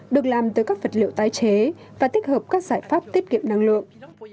được làm từ các vật liệu tái chế và tích hợp các giải pháp tiết kiệm năng lượng